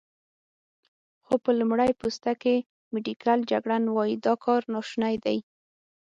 خو په لمړی پوسته کې، میډیکل جګړن وايي، دا کار ناشونی دی.